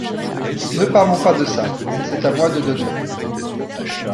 Ne parlons pas de ça… c’est à moi de donner…